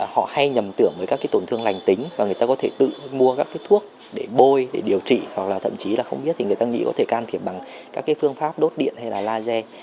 họ hay nhầm tưởng với các tổn thương lành tính và người ta có thể tự mua các cái thuốc để bôi để điều trị hoặc là thậm chí là không biết thì người ta nghĩ có thể can thiệp bằng các phương pháp đốt điện hay là laser